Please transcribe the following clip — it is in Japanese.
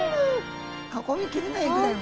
囲み切れないぐらいうわ！